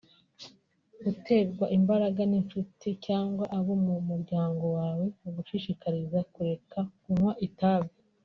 Guterwa imbaraga n’inshuti cyangwa abo mu muryango wawe bagushishikariza kureka kunywa itabi